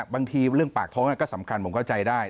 บางทีเรื่องปากท้องก็สำคัญผมเข้าใจได้